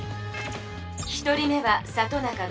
１人目は里中登。